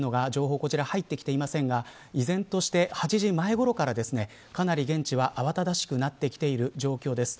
こちら、入ってきていませんが依然として８時前ごろからかなり現地は慌ただしくなってきている状況です。